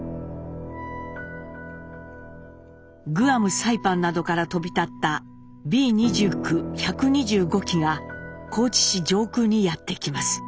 グアムサイパンなどから飛び立ったＢ−２９１２５機が高知市上空にやって来ます。